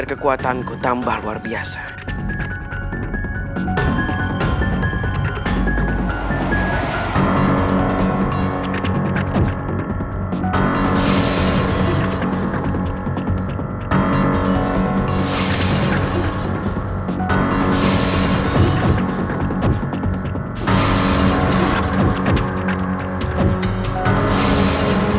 jika munding laya adalah putranya surawi sese